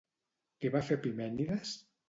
Què va fer Epimènides?